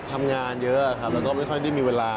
ทำงานเยอะครับแล้วก็ไม่ค่อยได้มีเวลา